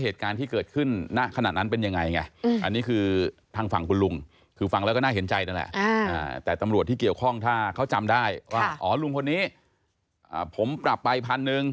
ถ้าแสดงก็ที่วันนี้ผมปรับใบพันหนึ่ง